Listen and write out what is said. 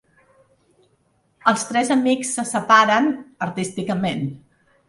Els tres amics se separen, artísticament.